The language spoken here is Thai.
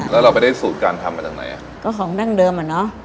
แล้วเราไปได้สูตรการทำมาจากไหนอ่ะก็ของดั้งเดิมอ่ะเนอะ